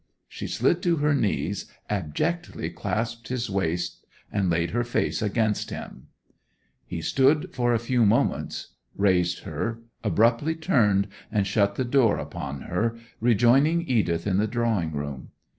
She slid to her knees, abjectly clasped his waist and laid her face against him. He stood a few moments, raised her, abruptly turned, and shut the door upon her, rejoining Edith in the drawing room.